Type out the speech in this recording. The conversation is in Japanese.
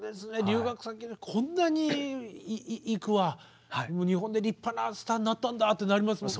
留学先でこんなにイクは日本で立派なスターになったんだってなりますもんね。